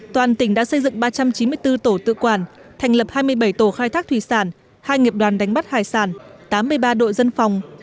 toàn tỉnh đã xây dựng ba trăm chín mươi bốn tổ tự quản thành lập hai mươi bảy tổ khai thác thủy sản hai nghiệp đoàn đánh bắt hải sản tám mươi ba đội dân phòng